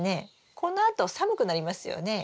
このあと寒くなりますよね。